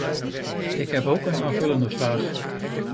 Ik heb ook een aanvullende vraag.